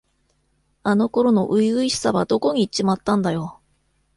あの頃の初々しさはどこにいっちまったんだよ。